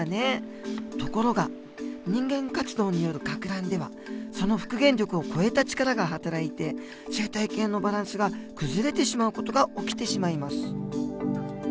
ところが人間活動によるかく乱ではその復元力を超えた力がはたらいて生態系のバランスが崩れてしまう事が起きてしまいます。